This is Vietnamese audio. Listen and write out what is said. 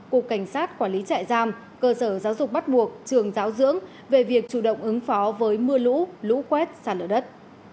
cục cảnh sát quản lý trại giam cơ sở giáo dục bắt buộc trường giáo dưỡng về việc chủ động ứng phó với mưa lũ lũ quét sàn lở đất